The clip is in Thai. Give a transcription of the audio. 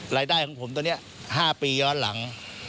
รายได้ของผมตอนนี้๕ปีย้อนหลัง